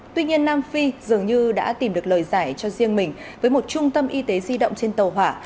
tuy nhiên nam phi dường như đã tìm được lời giải cho riêng mình với một trung tâm y tế di động trên tàu hỏa